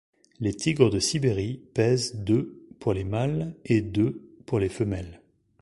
Les tigres de Sibérie pèsent de pour les mâles et de pour les femelles.